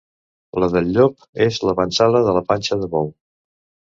La del llop és l'avantsala de la panxa del bou.